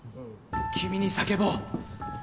君に叫ぼう。